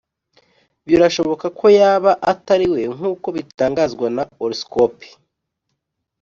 Birashoboka ko yaba atari we nkuko bitangazwa na hollyscoop